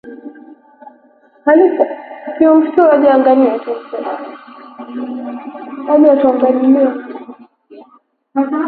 kwa malipo ya shilingi bilioni thelathini na nne za Kenya milioni